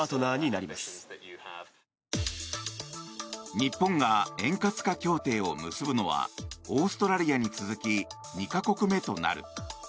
日本が円滑化協定を結ぶのはオーストラリアに続き２か国目となる。